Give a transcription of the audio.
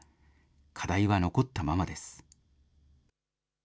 課題は残ったままです。